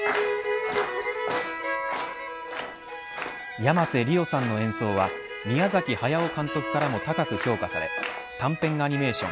山瀬理桜さんの演奏は宮崎駿監督からも高く評価され短編アニメーション